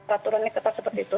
aturannya tetap seperti itu